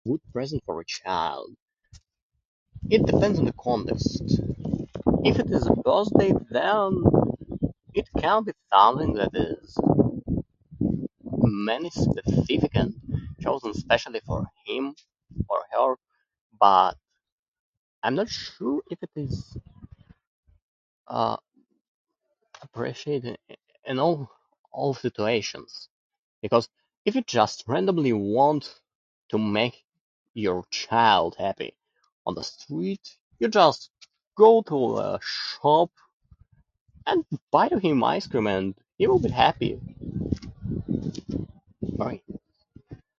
Good present for a child? It depends on the context. If it is a birthday, then it can be something that is many specific and chosen specially for him, or her. But, I'm not sure if it is, uh, appreciated in all, all situations. Because if you just randomly want to make your child happy on the street, you just go to a shop and buy him ice cream, and he will be happy. Bye.